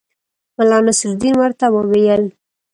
ملا نصرالدین ورته وویل.